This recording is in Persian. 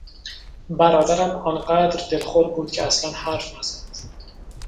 برادرم آن قدر دلخور بود که اصلا حرف نزد.